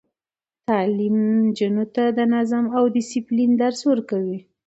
تعلیم نجونو ته د نظم او دسپلین درس ورکوي.